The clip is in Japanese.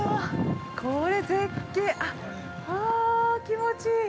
◆気持ちいい。